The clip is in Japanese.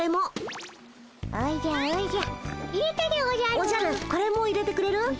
おじゃるこれも入れてくれる？